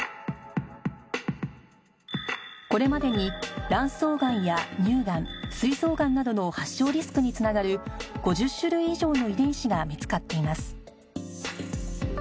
これまでに卵巣がんや乳がん膵臓がんなどの発症リスクに繋がる５０種類以上の遺伝子が見つかっています